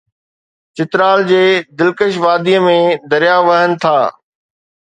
چترال جي دلڪش وادي ۾ درياهه وهن ٿا